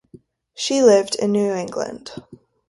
She lives in New England.